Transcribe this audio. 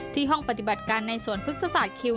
ห้องปฏิบัติการในสวนพฤกษศาสตร์คิว